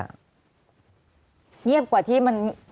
เงียบกว่าที่มัน